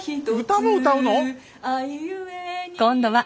歌も歌うの⁉